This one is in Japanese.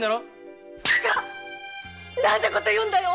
何てこと言うんだよ！